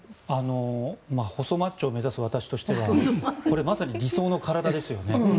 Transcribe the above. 細マッチョを目指す私としてはこれ、まさに理想の体ですよね。